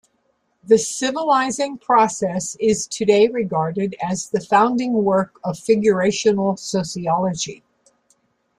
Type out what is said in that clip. "The Civilizing Process" is today regarded as the founding work of Figurational Sociology.